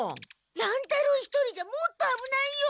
乱太郎一人じゃもっとあぶないよ！